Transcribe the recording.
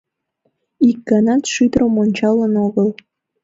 Ик ганат шӱдырым ончалын огыл.